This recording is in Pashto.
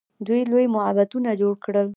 دوی لوی معبدونه جوړ کړل.